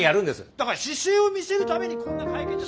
だから姿勢を見せるためにこんな会見じゃ。